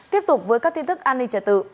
tiếp tục với các tin tức an ninh trật tự